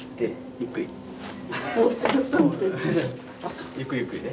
ゆっくりゆっくりね。